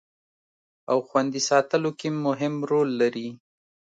او خوندي ساتلو کې مهم رول لري